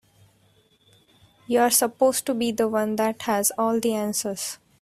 You're supposed to be the one that has all the answers.